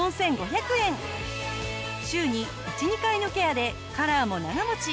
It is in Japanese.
週に１２回のケアでカラーも長持ち。